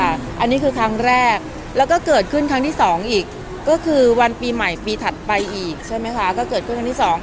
อันนี้คือครั้งแรกแล้วก็เกิดขึ้นครั้งที่สองอีกก็คือวันปีใหม่ปีถัดไปอีกใช่ไหมคะก็เกิดขึ้นครั้งที่สอง